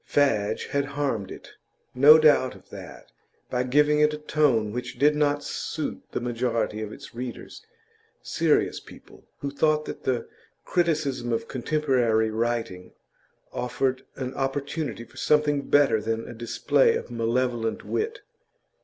Fadge had harmed it, no doubt of that, by giving it a tone which did not suit the majority of its readers serious people, who thought that the criticism of contemporary writing offered an opportunity for something better than a display of malevolent wit.